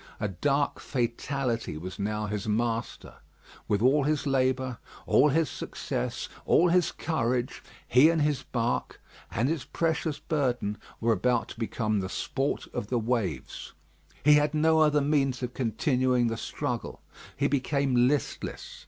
A dark fatality was now his master. With all his labour, all his success, all his courage, he and his bark, and its precious burden, were about to become the sport of the waves. He had no other means of continuing the struggle; he became listless.